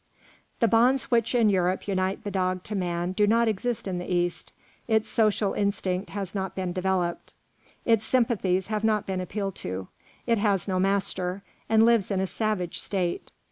The bonds which in Europe unite the dog to man do not exist in the East; its social instinct has not been developed, its sympathies have not been appealed to; it has no master, and lives in a savage state.